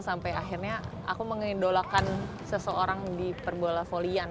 sampai akhirnya aku mengidolakan seseorang di perbola volleyan